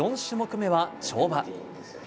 ４種目めは跳馬。